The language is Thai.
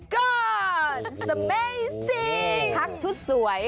คักชุดสวย